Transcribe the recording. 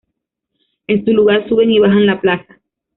En su lugar suben y bajan la plaza.